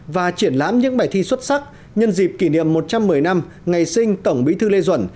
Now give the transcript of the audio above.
và triển lãm những bài thi xuất sắc nhân dịp kỷ niệm một trăm một mươi năm ngày sinh tổng bí thư lê duẩn